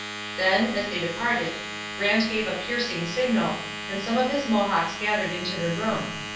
Then, as they departed, Brant gave a piercing signal, and some of his Mohawks gathered into the room.